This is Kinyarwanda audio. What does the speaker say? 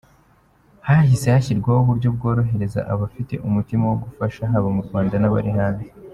Hahise hashyirwaho uburyo bworohereza abafite umutima wo gufasha haba mu Rwanda n’abari hanze.